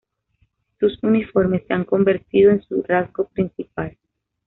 Sus uniformes se han convertido en su rasgo principal.